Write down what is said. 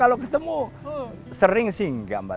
kalau ketemu sering sih enggak mbak